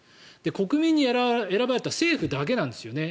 国民に選ばれた政府だけなんですよね。